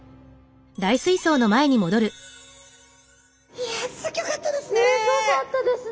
いやすギョかったですね。